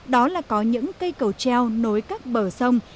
đó là có những cây cầu treo nối các bờ sông